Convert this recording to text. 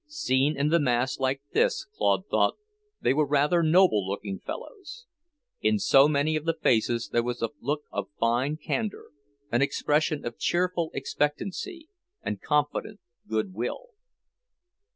Seen in the mass like this, Claude thought, they were rather noble looking fellows. In so many of the faces there was a look of fine candour, an expression of cheerful expectancy and confident goodwill.